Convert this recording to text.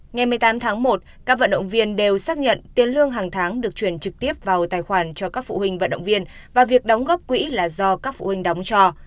ngày một mươi tám tháng một các vận động viên đều xác nhận tiền lương hàng tháng được chuyển trực tiếp vào tài khoản cho các phụ huynh vận động viên và việc đóng góp quỹ là do các phụ huynh đóng cho